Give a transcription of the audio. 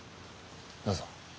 どうぞ。